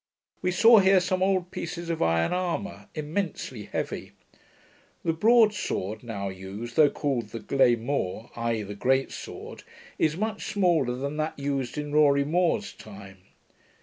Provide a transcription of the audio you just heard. We saw here some old pieces of iron armour, immensely heavy. The broadsword now used, though called the glaymore (i.e. the great sword), is much smaller than that used in Rorie More's time.